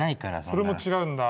それも違うんだ。